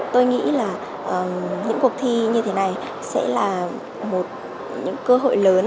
tôi nghĩ là những cuộc thi như thế này sẽ là một cơ hội lớn